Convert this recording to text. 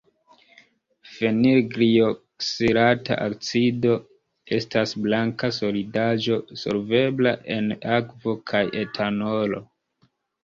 Fenilglioksilata acido estas blanka solidaĵo, solvebla en akvo kaj etanolo.